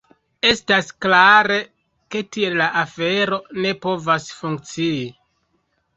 Estas klare, ke tiel la afero ne povas funkcii.